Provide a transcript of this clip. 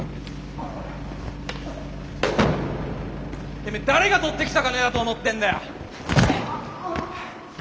てめえ誰が取ってきた金だと思ってんだよ！